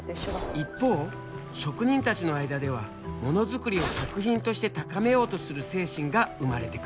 一方職人たちの間ではもの作りを作品として高めようとする精神が生まれてくる。